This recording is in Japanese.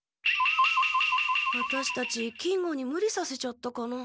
ワタシたち金吾にムリさせちゃったかな。